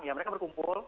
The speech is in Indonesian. ya mereka berkumpul